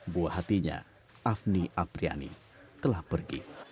buah hatinya afni apriani telah pergi